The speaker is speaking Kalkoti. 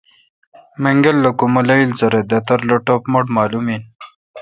منگل کو مہ لییل زرہ۔ دھتر لو ٹپ مٹھ مالوم ان